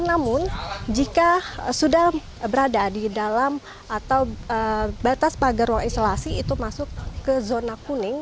namun jika sudah berada di dalam atau batas pagar ruang isolasi itu masuk ke zona kuning